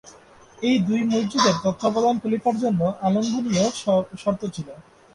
এই দুই মসজিদের তত্ত্বাবধান খলিফার জন্য অলঙ্ঘনীয় শর্ত ছিল।